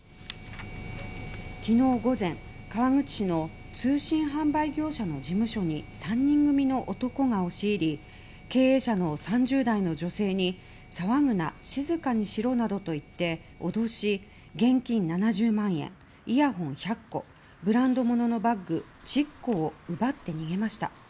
昨日午前、川口市の通信販売業者の事務所に３人組の男が押し入り経営者の３０代の女性に騒ぐな、静かにしろなどと言って脅し現金７０万円、イヤホン１００個ブランド物のバッグ１０個を奪って逃げました。